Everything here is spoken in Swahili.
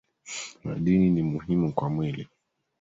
Madini ni muhimu kwa mwili